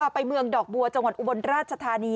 ไปเมืองดอกบัวจังหวัดอุบลราชธานี